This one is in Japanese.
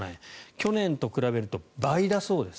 去年と比べると倍だそうです。